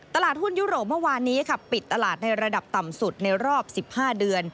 ตลาดหุ้นยุโรปเมื่อวานนี้ค่ะปิดตลาดในระดับต่ำสุดในรอบ๑๕เดือน